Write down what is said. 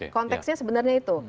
konteksnya sebenarnya itu